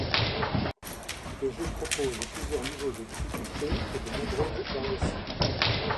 Le jeu propose plusieurs niveaux de difficulté et de nombreuses variations.